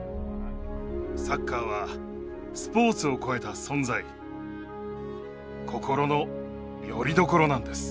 サッカーはスポーツを超えた存在心のよりどころなんです。